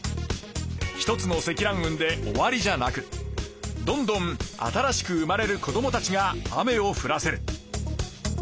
一つの積乱雲で終わりじゃなくどんどん新しく生まれる子どもたちが雨を降らせる。